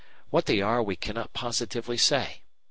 What they are we cannot positively say.